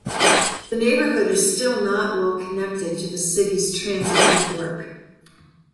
The neighborhood is still not well-connected to the city's transit network.